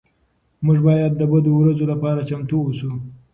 موږ باید د بدو ورځو لپاره چمتو اوسو.